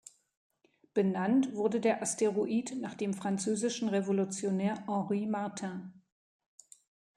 Benannt wurde der Asteroid nach dem französischen Revolutionär Henri Martin.